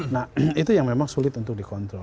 nah itu yang memang sulit untuk dikontrol